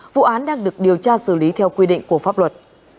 vụ án đang được điều tra xử lý theo quy định của pháp luật